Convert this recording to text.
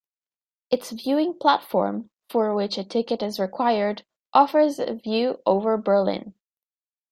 Its viewing platform, for which a ticket is required, offers a view over Berlin.